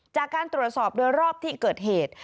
จากการตรวจสอบโดยรอบที่เกิดเหตุ